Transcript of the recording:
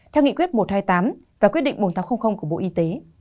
theo nghị quyết một trăm hai mươi tám và quyết định bốn nghìn tám trăm linh của bộ y tế